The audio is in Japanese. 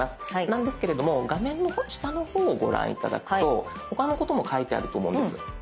なんですけれども画面の下の方をご覧頂くと他のことも書いてあると思うんです。